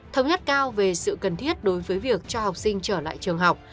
thống nhất cao về sự cần thiết đối với việc cho học sinh trở lại trường học